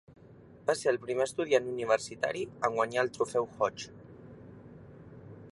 Va ser el primer estudiant universitari en guanyar el trofeu Hodge.